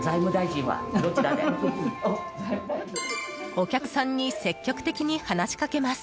お客さんに積極的に話しかけます。